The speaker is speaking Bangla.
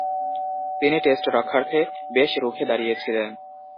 তিনি টেস্ট রক্ষার্থে বেশ রুখে দাঁড়িয়েছিলেন।